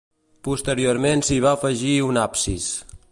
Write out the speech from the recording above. Posteriorment s'hi va afegir un absis.